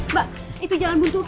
mbak itu jalan buntu